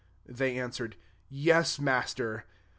They answered, "Yes Master."